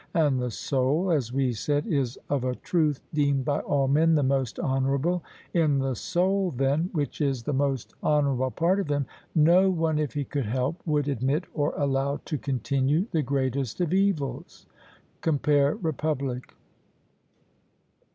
And the soul, as we said, is of a truth deemed by all men the most honourable. In the soul, then, which is the most honourable part of him, no one, if he could help, would admit, or allow to continue the greatest of evils (compare Republic).